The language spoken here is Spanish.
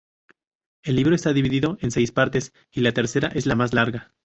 El libro está dividido en seis partes y la tercera es la más larga.